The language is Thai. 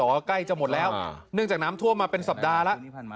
แต่ว่าใกล้จะหมดแล้วเนื่องจากน้ำท่วมมาเป็นสัปดาห์แล้ว